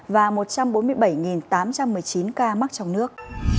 và một trăm bốn mươi bảy tám trăm một mươi chín ca mắc trong nước